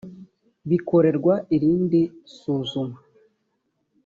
bikorerwa irindi suzuma